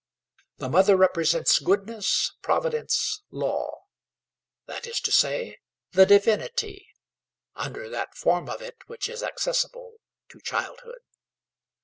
The mother represents goodness, providence, law; that is to say, the divinity, under that form of it which is accessible to childhood.